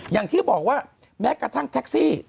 อย่างที่บอกว่าแม้กระทั่งแท็กซี่